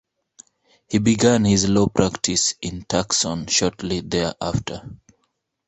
He began his law practice in Tucson shortly thereafter.